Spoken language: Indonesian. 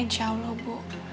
insya allah bu